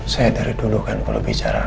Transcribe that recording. saya dari dulu kan kalau bicara